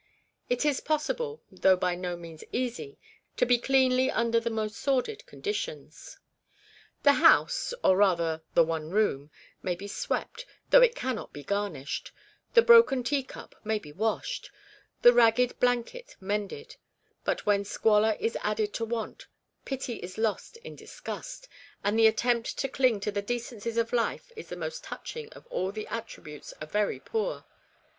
It is possible, though by no means easy, to be cleanly under the most sordid conditions ; the house or rather the one room may be swept, though it cannot be garnished ; the broken tea cup may be washed ; the ragged blanket mended, but when squalor is added to want, pity is lost in disgust, and the attempt to cling to the decencies of life is the most touching of all the attributes of the very poor.